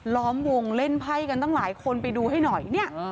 ล้อมวงเล่นไพ่กันตั้งหลายคนไปดูให้หน่อยเนี่ย